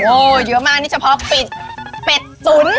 โอ้เยอะมากนี่เฉพาะปิดเป็ดศุนย์